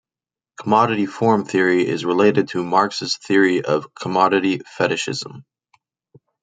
Commodity form theory is related to Marx's theory of commodity fetishism.